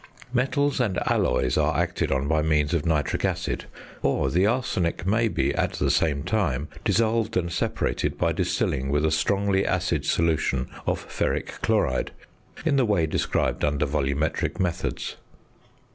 Metals and alloys are acted on by means of nitric acid; or the arsenic may be at the same time dissolved and separated by distilling with a strongly acid solution of ferric chloride, in the way described under Volumetric Methods.